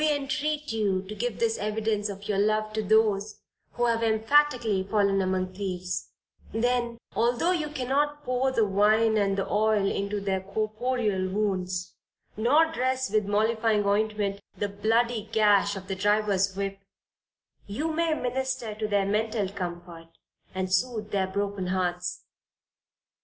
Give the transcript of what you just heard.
We entreat you to give this evidence of your love to those who have emphatically fallen among thieves, then, although you cannot pour the wine and the oil into their corporeal wounds, nor dress with mollifying ointment, the bloody gash of the drivers' whip, you may minister to their mental comfort, and soothe their broken hearts.